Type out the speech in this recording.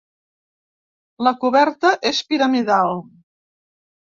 La coberta és piramidal.